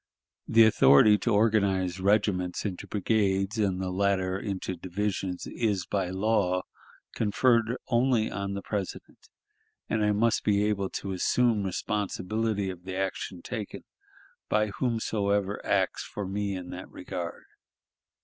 The authority to organize regiments into brigades and the latter into divisions is by law conferred only on the President; and I must be able to assume responsibility of the action taken by whomsoever acts for me in that regard.